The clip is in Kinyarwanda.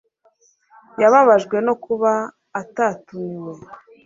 Yababajwe no kuba atatumiwe